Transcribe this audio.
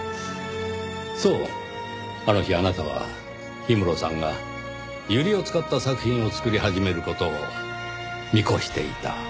そうあの日あなたは氷室さんがユリを使った作品を作り始める事を見越していた。